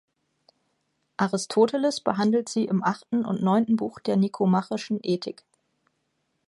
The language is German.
Aristoteles behandelt sie im achten und neunten Buch der "Nikomachischen Ethik".